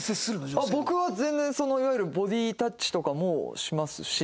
僕は全然いわゆるボディタッチとかもしますし。